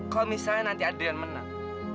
kalau misalnya nanti adrian menang